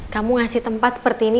kamu ngasih tempat seperti ini